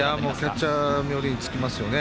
キャッチャー冥利に尽きますよね。